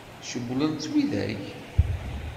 Cewwlen-tt widak?